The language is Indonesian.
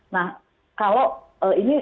nah kalau ini